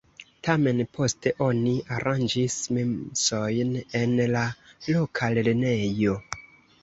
Tamen poste oni aranĝis mesojn en la loka lernejo.